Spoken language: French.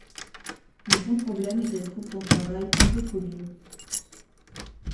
Mais son problème est qu'elle trouve son travail un peu trop dur.